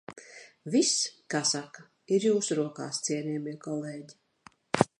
Viss, kā saka, ir jūsu rokās, cienījamie kolēģi!